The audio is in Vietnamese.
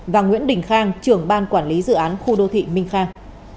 và nguyễn đình khang trưởng ban quản lý dự án khu đô thị minh khang